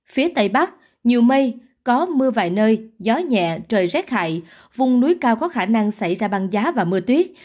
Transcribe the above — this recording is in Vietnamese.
phía tây bắc nhiều mây có mưa vài nơi gió nhẹ trời rét hại vùng núi cao có khả năng xảy ra băng giá và mưa tuyết